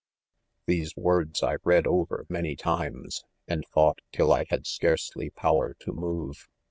' These words I read oyer man * 7 times an^ thought till'I had scarcely power to move.